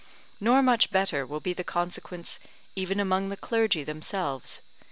Nor much better will be the consequence even among the clergy themselves.